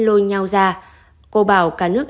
lôi nhau ra cô bảo cả nước